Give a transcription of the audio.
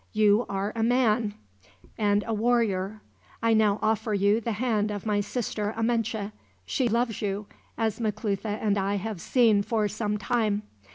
You are a man, and a warrior. I now offer you the hand of my sister Amenche. She loves you, as Maclutha and I have seen for some time.